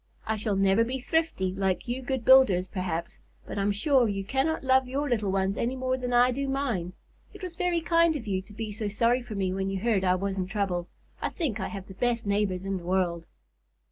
I shall never be thrifty like you good builders, perhaps, but I'm sure you cannot love your little ones any more than I do mine. It was very kind of you to be so sorry for me when you heard I was in trouble. I think I have the best neighbors in the world."